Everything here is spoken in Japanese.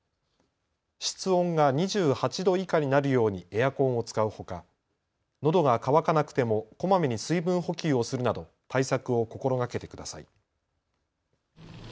室温が２８度以下になるようにエアコンを使うほかのどが渇かなくてもこまめに水分補給をするなど対策を心がけてください。